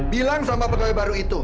bilang sama pegawai baru itu